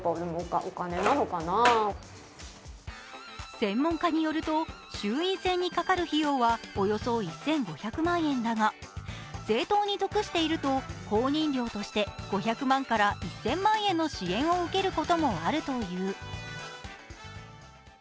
専門家によると衆院選にかかる費用はおよそ１５００万円だが政党に属していると公認料として５００万から１０００万円の支援を受けることもあるという。